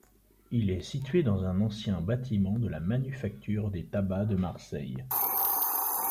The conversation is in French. Il est situé dans un ancien bâtiment de la Manufacture des tabacs de Marseille.